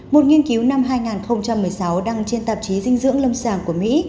một nghiên cứu năm hai nghìn một mươi sáu đăng trên tạp chí dinh dưỡng lâm sàng của mỹ